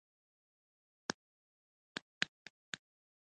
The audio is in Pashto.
د مېزونو چوکیو او کپړیو د ماتېدو له آوازه به راویښېدلو.